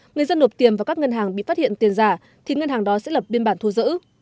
người dân nộp tiền vào các ngân hàng bị phát hiện tiền giả thì ngân hàng đó sẽ lập biên bản thu giữ